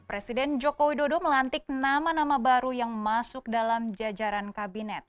presiden joko widodo melantik nama nama baru yang masuk dalam jajaran kabinet